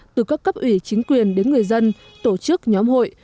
từ các cấp ủy chính quyền đến người dân tổ chức nhóm hội